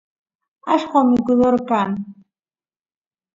allqo mikudor kan